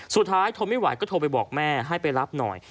สุดท้ายโทมิหวัยก็โทรไปบอกแม่ให้ไปรับหน่อย